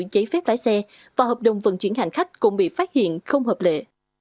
cái hợp đồng này đó anh giao dịch chưa